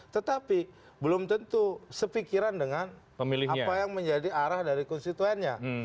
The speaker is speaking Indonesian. tetapi belum tentu sepikiran dengan apa yang menjadi arah dari konstituennya